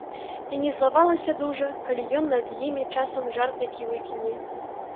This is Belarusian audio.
І не злаваліся дужа, калі ён над імі часамі жарт які выкіне.